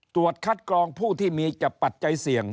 ตรวจคัดกรองผู้ที่มีปัจจัยเสี่ยง